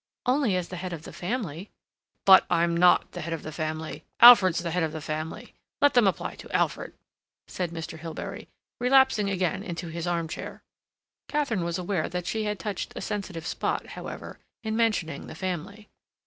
"Only as the head of the family—" "But I'm not the head of the family. Alfred's the head of the family. Let them apply to Alfred," said Mr. Hilbery, relapsing again into his arm chair. Katharine was aware that she had touched a sensitive spot, however, in mentioning the family.